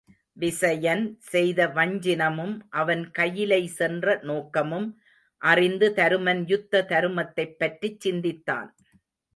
விசயன் செய்த வஞ்சினமும் அவன் கயிலை சென்ற நோக்கமும் அறிந்து தருமன் யுத்த தருமத்தைப் பற்றிச் சிந்தித்தான்.